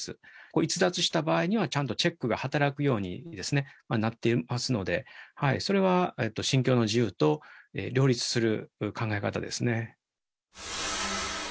これ、逸脱した場合にはちゃんとチェックが働くようになってますので、それは信教の自由と両立する考え方ですね。